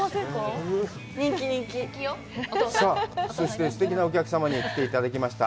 そして、すてきなお客様に来ていただきました。